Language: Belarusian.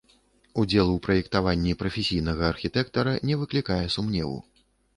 Удзел у праектаванні прафесійнага архітэктара не выклікае сумневу.